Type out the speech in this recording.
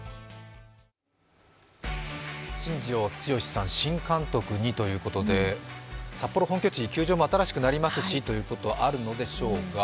新庄剛志、新監督にということで札幌本拠地、球場も新しくなりますしということなんでしょうか。